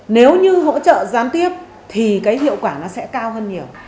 nếu như hỗ trợ gián tiếp thì cái hiệu quả nó sẽ cao hơn nhiều